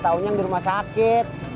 taunya yang di rumah sakit